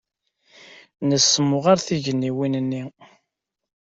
Nessemɣer tugniwin-nni.